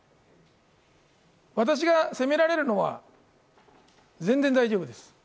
私が責められるのは全然大丈夫です。